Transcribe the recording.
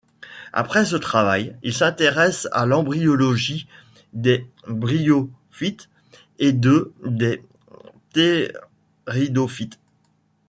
Après ce travail, il s’intéresse à l’embryologie des bryophytes et de des ptéridophytes.